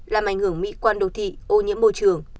làm ảnh hưởng mỹ quan đô thị ô nhiễm môi trường